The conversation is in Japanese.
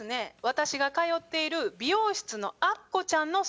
私が通っている美容室のアッコちゃんの相談です。